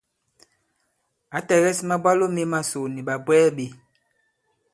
Ǎ tɛ̀gɛs mabwalo mē masò nì ɓàbwɛɛ ɓē.